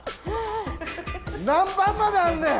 何番まであんねん！